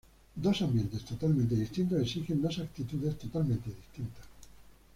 Dos ambientes totalmente distintos exigen dos actitudes totalmente distintas.